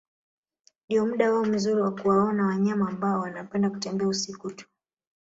Ndio muda wao mzuri wa kuwaona wanyama ambao wanapenda kutembea usiku tu